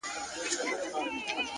د حقیقت رڼا د فریب پردې څیروي,